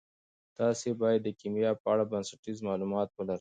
تاسي باید د کیمیا په اړه بنسټیز معلومات ولرئ.